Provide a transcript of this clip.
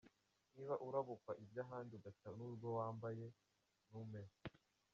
Niba urabukwa iby’ahandi ugata n’urwo wambaye, Ntumpeho.